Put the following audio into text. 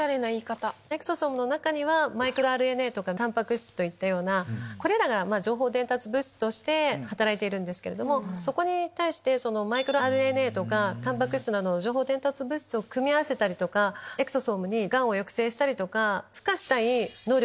エクソソームの中にはマイクロＲＮＡとかタンパク質といったこれらが情報伝達物質として働いているんですけれどもそこに対してマイクロＲＮＡとかタンパク質などの情報伝達物質を組み合わせたりエクソソームにガンを抑制したり。